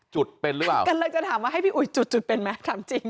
จุดเป็นหรือเปล่ากำลังจะถามว่าให้พี่อุ๋ยจุดจุดเป็นไหมถามจริง